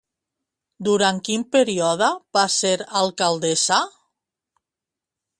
Durant quin període va ser alcaldessa?